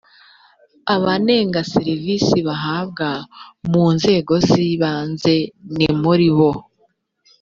abanenga serivisi bahabwa mu nzego z ibanze ni muri bo